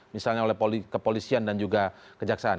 misalnya oleh kepolisian dan juga kejaksaan